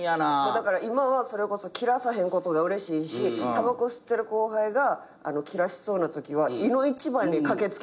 だから今はそれこそ切らさへんことがうれしいしたばこを吸ってる後輩が切らしそうなときはいの一番に駆け付けてあげるよね。